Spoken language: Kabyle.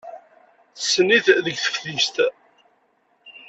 Tessen-it deg teftist.